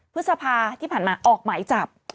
พฤษภาที่ผ่านมาออกหมายจับ